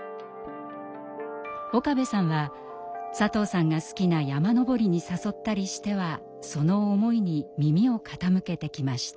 岡部さんは佐藤さんが好きな山登りに誘ったりしてはその思いに耳を傾けてきました。